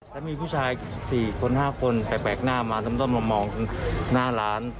แล้วมีผู้ชาย๔คน๕คนแปลกหน้ามาส้มมามองหน้าร้าน